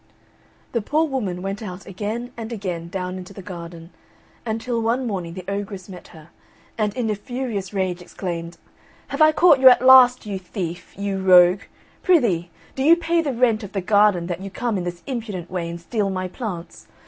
The poor woman went again and again down into the garden, until one morning the ogress met her, and in a furious rage exclaimed, "Have I caught you at last, you thief, you rogue; prithee, do you pay the rent of the garden that you come in this impudent way and steal my plants?